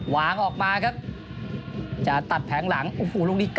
วางออกมาครับจะตัดแผงหลังโอ๊ยโอ้โหลูกเก้าผมเล่นมากนะครับ